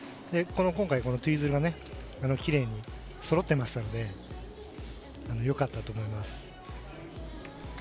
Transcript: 今回このツイズルが奇麗にそろってましたのでよかったと思います。